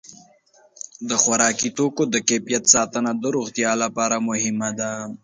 د خوراکي توکو د کیفیت ساتنه د روغتیا لپاره مهمه ده.